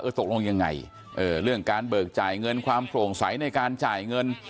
ตกลงยังไงเรื่องการเบิกจ่ายเงินความโปร่งใสในการจ่ายเงิน